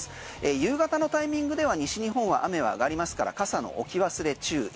夕方のタイミングでは西日本は雨は上がりますから傘の置き忘れ注意。